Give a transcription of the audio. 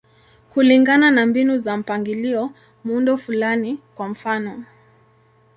Kulingana na mbinu za mpangilio, muundo fulani, kwa mfano.